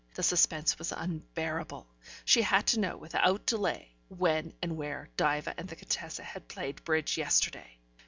The suspense was unbearable: she had to know without delay when and where Diva and the Contessa had played bridge yesterday.